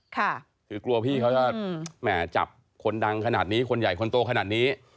คือกลัวพี่เขาจะแหม่จับคนดังขนาดนี้คนใหญ่คนโตขนาดนี้